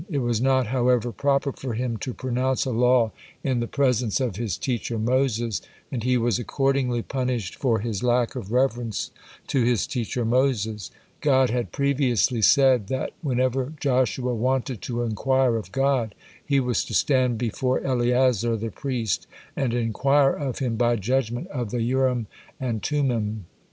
It was not, however, proper for him to pronounce a law in the presence of his teacher Moses, and he was accordingly punished for his lack of reverence to his teacher Moses. God had previously said that whenever Joshua wanted to inquire of God, he was "to stand before Eleazar the priest, and inquire of him by judgement of the Urim and Tummin."